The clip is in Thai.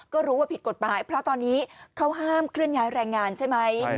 ก็รู้ว่าผิดกฎหมายเพราะตอนนี้เขาห้ามเคลื่อนย้ายแรงงานใช่ไหม